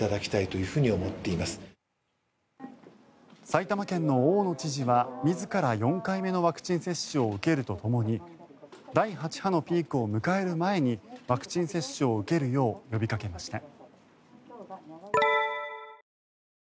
埼玉県の大野知事は自ら４回目のワクチン接種を受けるとともに第８波のピークを迎える前にワクチン接種を受けるよう呼びかけました。